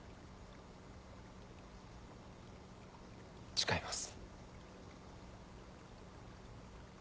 誓います。